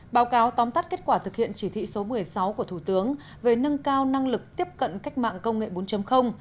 báo cáo tóm tắt kết quả thực hiện chỉ thị số một mươi sáu của thủ tướng về nâng cao năng lực tiếp cận cách mạng công nghệ bốn